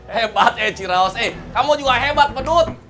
hebat eh ciraos eh kamu juga hebat pedut